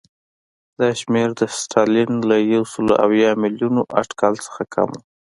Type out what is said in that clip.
دا شمېر د ستالین له یو سل اویا میلیونه اټکل څخه کم و